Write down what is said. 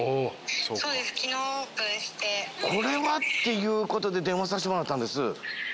これはっていうことで電話させてもらったんです。